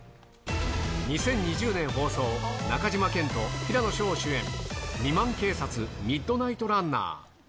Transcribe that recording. ２０２０年放送、中島健人、平野紫燿主演、未満警察ミッドナイトランナー。